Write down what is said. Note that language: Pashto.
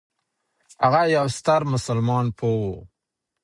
هغه یو ستر مسلمان پوه و.